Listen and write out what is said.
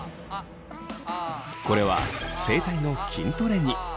これは声帯の筋トレに。